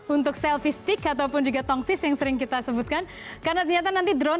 untuk selfie stick ataupun juga tongsis yang sering kita sebutkan karena ternyata nanti drone